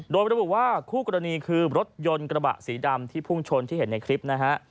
โดยระบุว่าคู่กรณีคือรถยนต์กระบะสีดำที่พุ่งชนที่เห็นในคลิปนะฮะ